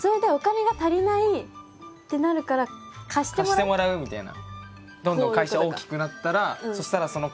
貸してもらうみたいな。